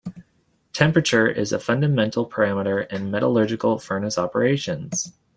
Temperature is a fundamental parameter in metallurgical furnace operations.